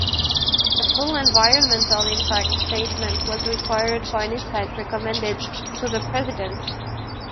A full environmental impact statement was required for any site recommended to the President.